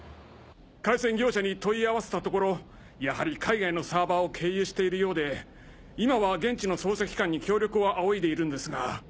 回線業者に問い合わせたところやはり海外のサーバーを経由しているようで今は現地の捜査機関に協力を仰いでいるんですが。